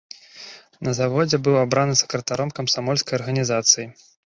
На заводзе быў абраны сакратаром камсамольскай арганізацыі.